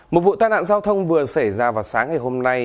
một vụ tai nạn giao thông vừa xảy ra vào sáng ngày hôm nay